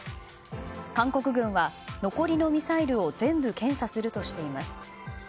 韓国軍は残りのミサイルを全部、検査するとしています。